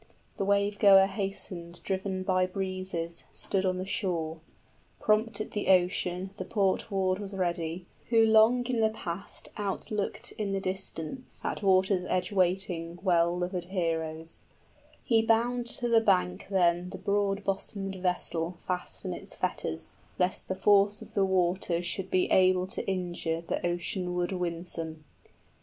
The wave goer hastened Driven by breezes, stood on the shore. {The port warden is anxiously looking for them.} 25 Prompt at the ocean, the port ward was ready, Who long in the past outlooked in the distance, At water's edge waiting well lovèd heroes; He bound to the bank then the broad bosomed vessel Fast in its fetters, lest the force of the waters 30 Should be able to injure the ocean wood winsome.